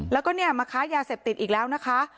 แล้วก็เนี่ยมาค้ายาเสพติดอีกแล้วนะคะ